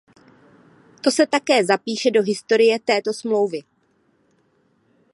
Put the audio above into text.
To se také zapíše do historie této smlouvy.